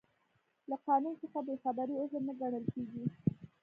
له قانون څخه بې خبري عذر نه ګڼل کیږي.